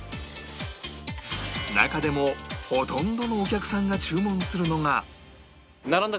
中でもほとんどのお客さんが注文するのが